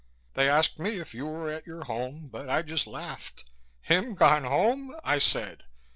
They asked me if you were at your home but I just laughed. 'Him gone home?' I said.